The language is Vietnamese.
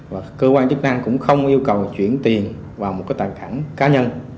và cơ quan chức năng cũng không yêu cầu chuyển tiền vào một cái tài cảnh cá nhân